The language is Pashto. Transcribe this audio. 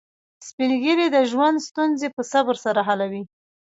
سپین ږیری د ژوند ستونزې په صبر سره حلوي